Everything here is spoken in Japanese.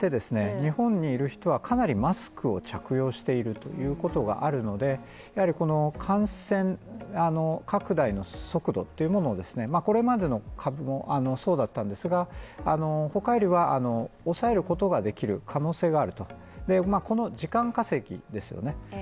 日本にいる人はかなりマスクを着用しているということがあるのでやはり感染拡大の速度っていうものをこれまでの株もそうだったんですが、他よりは抑えることができる可能性があるとこの時間稼ぎですよね。